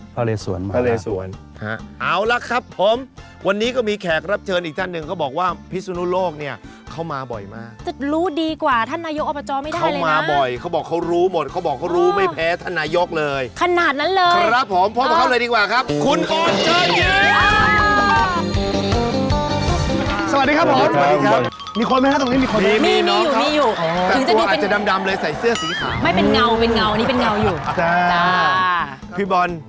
ภาเลสวนครับภาเลสวนครับครับ